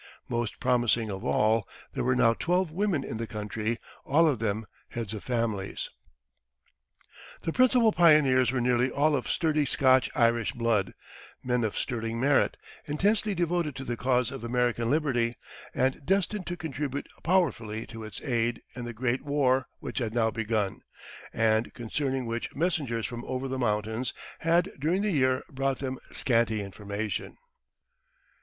Most promising of all, there were now twelve women in the country, all of them heads of families. The principal pioneers were nearly all of sturdy Scotch Irish blood, men of sterling merit, intensely devoted to the cause of American liberty, and destined to contribute powerfully to its aid in the great war which had now begun, and concerning which messengers from over the mountains had during the year brought them scanty information.